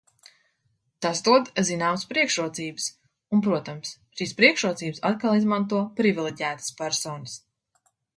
Tas dod zināmas priekšrocības, un, protams, šīs priekšrocības atkal izmanto privileģētas personas.